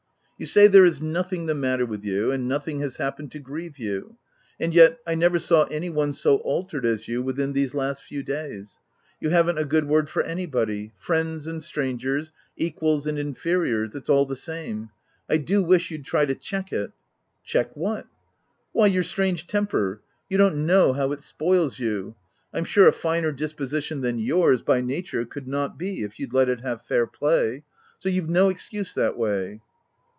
u You say there is nothing the matter with you, and nothing has happened to grieve you, and yet, I never saw any one so altered as you within these last few days : you haven't a good w T ord for any body — friends and strangers, equals and inferiors — it's all the same. I do wish you'd try to check it." " Check what?" OF WILDFELL HALL. 225 "Why your strange temper. You don't know how it spoils you. I'm sure a finer dis position than yours, by nature, could not be, if you'd let it have fair play ; so you've no excuse that way.''